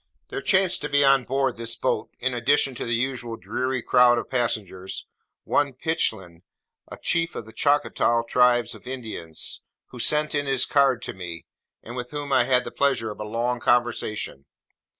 There chanced to be on board this boat, in addition to the usual dreary crowd of passengers, one Pitchlynn, a chief of the Choctaw tribe of Indians, who sent in his card to me, and with whom I had the pleasure of a long conversation.